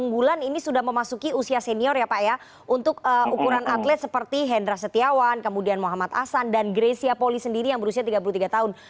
jadi sebulan ini sudah memasuki usia senior ya pak ya untuk ukuran atlet seperti hendra setiawan kemudian muhammad asan dan grecia poli sendiri yang berusia tiga puluh tiga tahun